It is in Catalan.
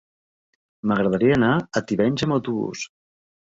M'agradaria anar a Tivenys amb autobús.